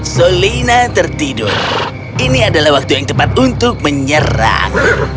solina tertidur ini adalah waktu yang tepat untuk menyerang